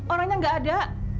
orangnya nggak ada